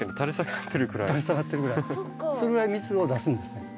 それぐらい蜜を出すんですね。